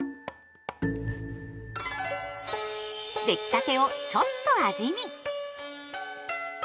出来たてをちょっと味見。